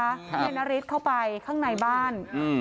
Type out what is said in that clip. นายนาริสเข้าไปข้างในบ้าน